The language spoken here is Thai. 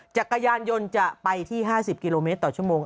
จักรยานยนต์จะไปที่๕๐กิโลเมตรต่อชั่วโมง